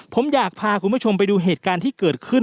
ผมอยากพาคุณผู้ชมไปดูเหตุการณ์ที่เกิดขึ้น